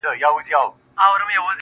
نور مي له ورځي څـخــه بـــد راځـــــــي.